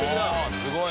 すごいね。